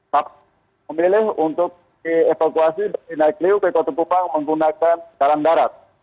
paps memilih untuk dievakuasi dari naikliu ke kota kupang menggunakan karang darat